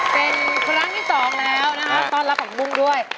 เป็นครั้งที่สองแล้วนะครับต้อนรับของกุ้งด้วย